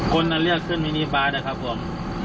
คนเรียกขึ้นมินิบาลนะครับผม